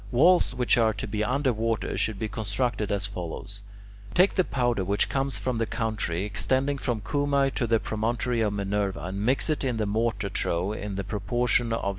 Walls which are to be under water should be constructed as follows. Take the powder which comes from the country extending from Cumae to the promontory of Minerva, and mix it in the mortar trough in the proportion of two to one.